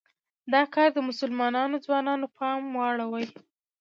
دا کار د مسلمانو ځوانانو پام واړوي.